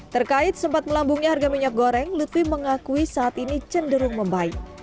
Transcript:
terkait sempat melambungnya harga minyak goreng lutfi mengakui saat ini cenderung membaik